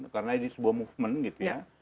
karena ini sebuah movement gitu ya